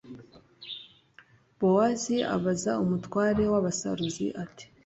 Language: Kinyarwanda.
bowozi abaza umutware w'abasaruzi, ati